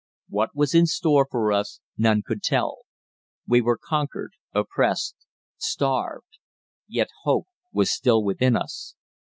What was in store for us none could tell. We were conquered, oppressed, starved; yet hope was still within us.